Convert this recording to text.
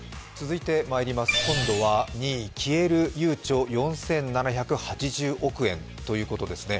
今度は２位、消えるゆうちょ４７００億円ということですね。